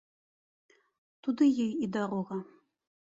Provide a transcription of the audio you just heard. Туды ёй і дарога!